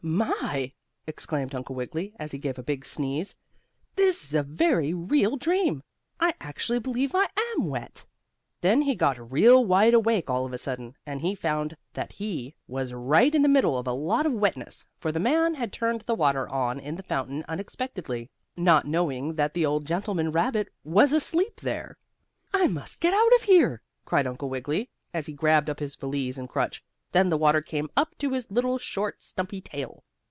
"My!" exclaimed Uncle Wiggily, as he gave a big sneeze. "This is a very real dream. I actually believe I am wet!" Then he got real wide awake all of a sudden, and he found that he was right in the middle of a lot of wetness, for the man had turned the water on in the fountain unexpectedly, not knowing that the old gentleman rabbit was asleep there. "I must get out of here!" cried Uncle Wiggily, as he grabbed up his valise and crutch. Then the water came up to his little short, stumpy tail.